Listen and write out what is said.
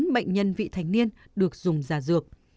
một mươi bốn bệnh nhân vị thành niên được dùng giả dược